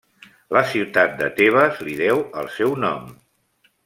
La ciutat de Tebes li deu el seu nom.